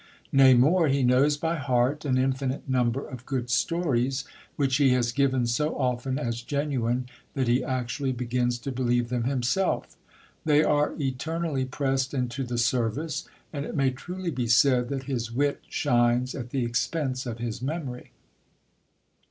Nay, more, he knows by heart an infinite number of good stories, which he has given so often as genuine that he actually begins to believe them himself. They are eternally pressed into the service, and it may truly be said that his wit shines at the expense of his memory.